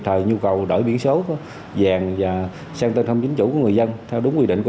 thời nhu cầu đổi biển số vàng và sang tên thông chính chủ của người dân theo đúng quy định của